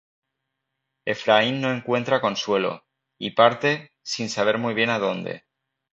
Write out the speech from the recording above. Efraín no encuentra consuelo, y parte, sin saber muy bien a dónde.